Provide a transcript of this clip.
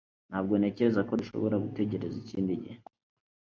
Ntabwo ntekereza ko dushobora gutegereza ikindi gihe